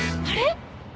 あれ？